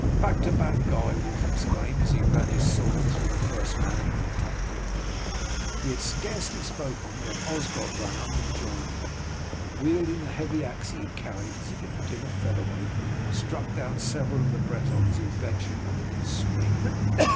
"Back to back, Guy!" Wulf exclaimed, as he ran his sword through the first man who attacked him. He had scarcely spoken when Osgod ran up and joined them, and wielding the heavy axe he carried as if it had been a featherweight, struck down several of the Bretons who ventured within its swing.